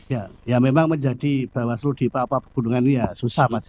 ya ya memang menjadi bahwa seluruh di papak gunung ini ya susah mas